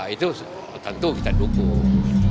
itu tentu kita dukung